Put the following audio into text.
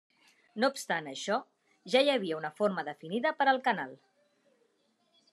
No obstant això, ja hi havia una forma definida per al canal.